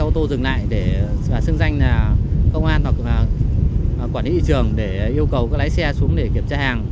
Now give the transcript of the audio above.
tổ dừng lại và xưng danh công an hoặc quản lý trường để yêu cầu các lái xe xuống để kiểm tra hàng